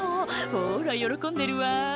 「ほら喜んでるわ」